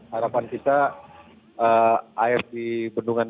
harapan kita air di bendungan